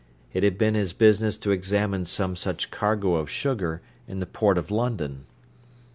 It had been his business to examine some such cargo of sugar in the Port of London.